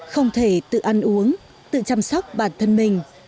không thể tự ăn uống tự chăm sóc bản thân mình